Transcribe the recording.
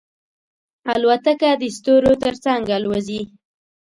الوتکه د ستورو تر څنګ الوزي.